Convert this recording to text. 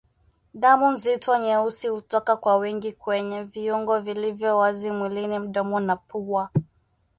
Damu nzito nyeusi hutoka kwa wingi kwenye viungo vilivyo wazi mwilini mdomo na pua